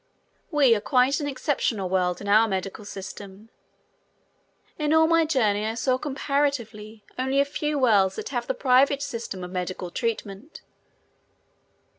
We are quite an exceptional world in our medical system. In all my journey I saw comparatively only a few worlds that have the private system of medical treatment.